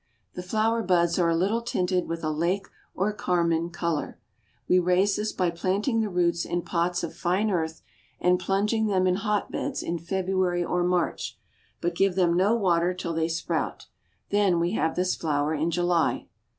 The flower buds are a little tinted with a lake or carmine color. We raise this by planting the roots in pots of fine earth, and plunging them in hot beds in February or March; but give them no water till they sprout, then we have this flower in July.